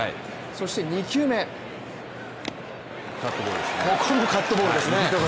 そして２球目、ここもカットボールですね。